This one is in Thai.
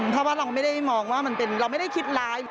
เพราะว่าเราไม่ได้มองว่ามันเป็นเราไม่ได้คิดร้าย